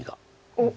おっ。